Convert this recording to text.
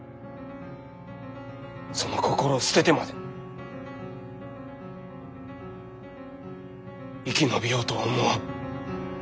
その心を捨ててまで生き延びようとは思わん。